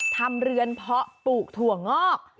เรือนเพาะปลูกถั่วงอก